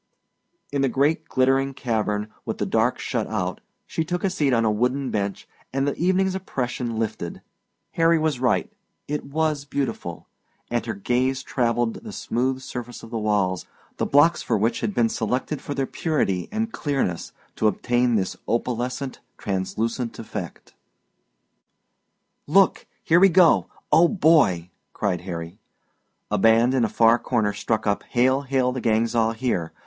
In the great glittering cavern with the dark shut out she took a seat on a wooded bench and the evening's oppression lifted. Harry was right it was beautiful; and her gaze travelled the smooth surface of the walls, the blocks for which had been selected for their purity and dearness to obtain this opalescent, translucent effect. "Look! Here we go oh, boy!" cried Harry. A band in a far corner struck up "Hail, Hail, the Gang's All Here!"